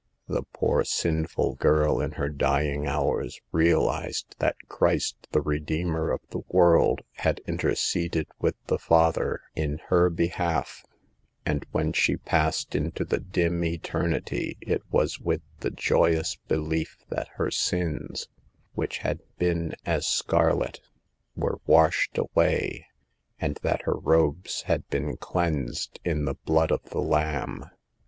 The poor sinful girl in her dying hours realized that Christ, the Redeemer of the world, had interceded with the Father in her behalf, and when she passed into the dim eter nity it was with the joyous belief that her sins, which had been as scarlet, were washed away, and that her robes had been cleansed in the Blood of the Lamb.